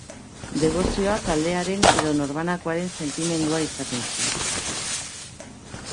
Debozioa taldearen edo norbanakoaren sentimendua izaten zen.